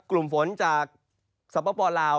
กลุ่มฝนจากสปลาว